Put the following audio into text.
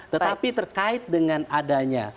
tetapi terkait dengan adanya